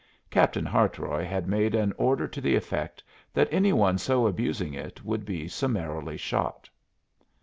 Captain Hartroy had made an order to the effect that any one so abusing it would be summarily shot.